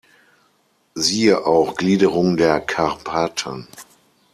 Siehe auch: Gliederung der Karpaten